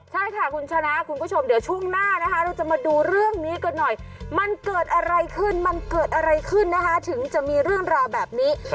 ใช่ค่ะคุณชนะคุณผู้ชมเดี๋ยวช่วงหน้านะคะเราจะมาดูเรื่องนี้กันหน่อยมันเกิดอะไรขึ้นมันเกิดอะไรขึ้นนะคะถึงจะมีเรื่องราวแบบนี้